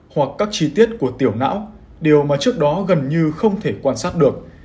hoặc các chi tiết của tiểu não điều mà trước đó gần như không thể quan sát được